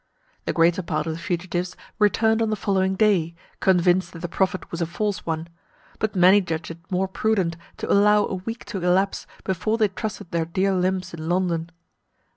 The greater part of the fugitives returned on the following day, convinced that the prophet was a false one; but many judged it more prudent to allow a week to elapse before they trusted their dear limbs in London.